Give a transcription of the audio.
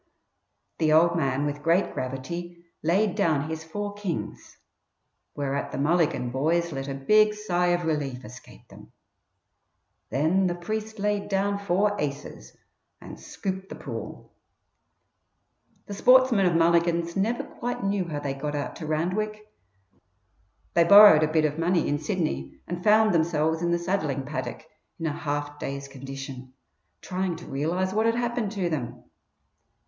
The "old man" with great gravity laid down his four kings, whereat the Mulligan boys let a big sigh of relief escape them. Then the priest laid down four aces and scooped the pool. The sportsmen of Mulligan's never quite knew how they got out to Randwick. They borrowed a bit of money in Sydney, and found themselves in the saddling paddock in a half dazed condition, trying to realize what had happened to them.